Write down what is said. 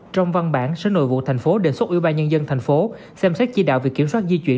trong văn bản sở nội vụ tp hcm đề xuất ủy ban nhân dân thành phố xem xét chỉ đạo việc kiểm soát di chuyển